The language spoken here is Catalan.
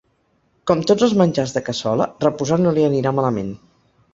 Com tots els menjars de cassola, reposar no li anirà malament.